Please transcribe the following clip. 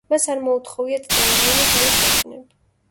მას არ მოუთხოვია წნევა, რაიმე ძალის დატანება.